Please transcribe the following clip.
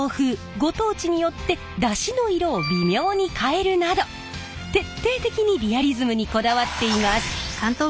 ご当地によってダシの色を微妙に変えるなど徹底的にリアリズムにこだわっています。